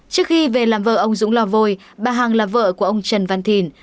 trước khi về làm vợ ông dũng lò vôi bà hằng là vợ của ông trần văn thìn